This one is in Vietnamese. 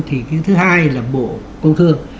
thì thứ hai là bộ công thương